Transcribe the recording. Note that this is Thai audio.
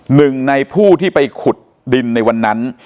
หนึ่งในผู้ที่ไปขุดดินในวันนั้น